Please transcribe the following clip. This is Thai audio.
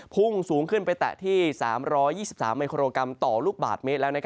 พุ่งสูงขึ้นไปแตะที่๓๒๓มิโครกรัมต่อลูกบาทเมตรแล้ว